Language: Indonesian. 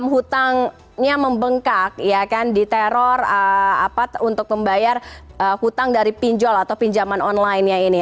hutangnya membengkak ya kan di teror untuk membayar hutang dari pinjol atau pinjaman online nya ini